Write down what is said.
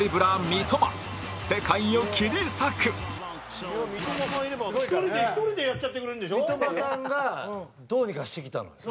三笘さんがどうにかしてきたのよ。